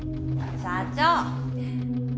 社長！